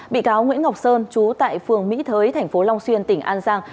bị cáo nguyễn ngọc sơn chú tại phường mỹ thới tp long xuyên tỉnh an giang